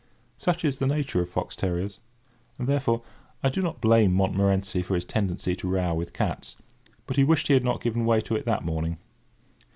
Such is the nature of fox terriers; and, therefore, I do not blame Montmorency for his tendency to row with cats; but he wished he had not given way to it that morning.